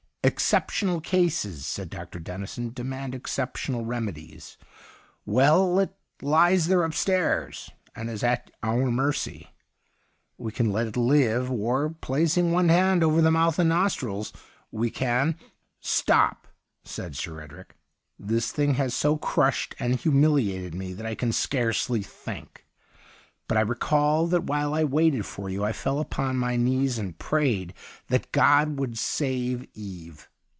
' Exceptional cases/ said Dr. Dennison, ' demand exceptional remedies. Well, it lies there up stairs and is at our mercy. We can let it live, or, placing one hand over the mouth and nostrils, we can '' Stop,' said Sir Edric. ' This thing has so crushed and humi liated me that I can scarcely think. But I recall that while I waited for you I fell upon my knees and prayed that God would save Eve.